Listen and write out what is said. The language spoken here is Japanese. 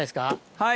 はい。